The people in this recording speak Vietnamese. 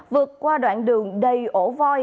vượt qua đoạn đường đầy ổ voi